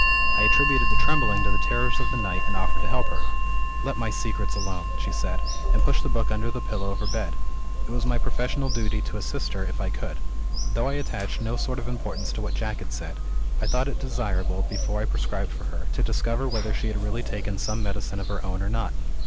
I attributed the trembling to the terrors of the night, and offered to help her. 'Let my secrets alone,' she said and pushed the book under the pillow of her bed. It was my professional duty to assist her, if I could. Though I attached no sort of importance to what Jack had said, I thought it desirable, before I prescribed for her, to discover whether she had really taken some medicine of her own or not.